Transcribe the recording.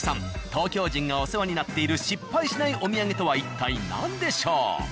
東京人がお世話になっている失敗しないお土産とは一体何でしょう？